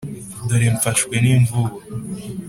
dore mfashwe n'imvubu!!”!